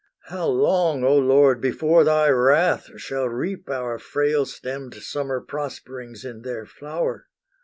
How long, O Lord, before thy wrath shall reap Our frail stemmed summer prosperings in their flower?